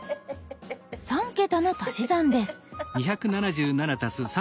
３桁の足し算です。